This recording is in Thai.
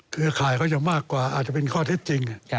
เครือข่ายเขาอย่างมากกว่าอาจจะเป็นข้อที่จริง